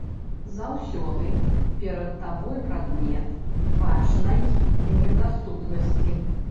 Заўсёды перад табой прадмет бачнай недаступнасці!